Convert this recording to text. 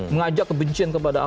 mengajak kebencian kepada anak